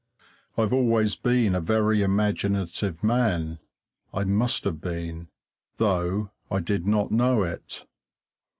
I've always been a very imaginative man: I must have been, though I did not know it.